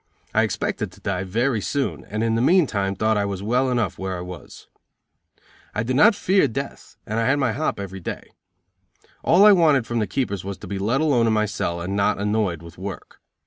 I expected to die very soon, and in the meantime thought I was well enough where I was. I did not fear death, and I had my hop every day. All I wanted from the keepers was to be let alone in my cell and not annoyed with work.